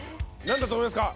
何だと思いますか？